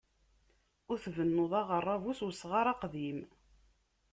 Ur tbennuḍ aɣerrabu s usɣar aqdim.